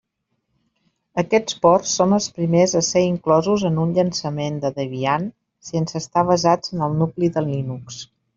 Aquests ports són els primers a ser inclosos en un llançament de Debian sense estar basats en el nucli de Linux.